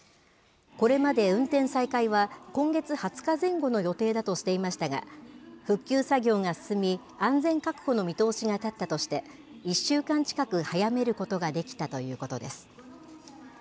これまで運転再開は、今月２０日前後の予定だとしていましたが、復旧作業が進み、安全確保の見通しが立ったとして、１週間近く早めることができたということです。